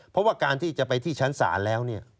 เพราะว่าการที่จะไปที่ชั้นศาลแล้วเนี่ย